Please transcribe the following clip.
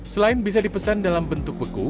selain bisa dipesan dalam bentuk beku